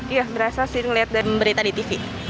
iya berasa sih ngeliat dari berita di tv